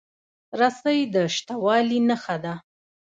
رسۍ د شته والي نښه ده.